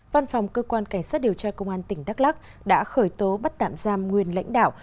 văn phòng cơ quan cảnh sát điều tra công an tỉnh đắk lắc đã khởi tố bắt tạm giam nguyên lãnh đạo